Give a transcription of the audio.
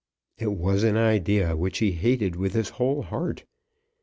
It was an idea which he hated with his whole heart.